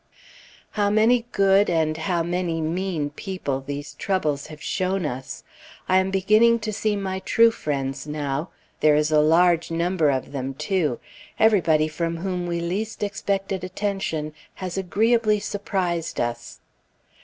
How many good, and how many mean people these troubles have shown us! I am beginning to see my true friends, now; there is a large number of them, too. Everybody from whom we least expected attention has agreeably surprised us....